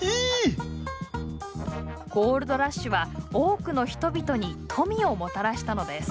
ゴールドラッシュは多くの人々に富をもたらしたのです。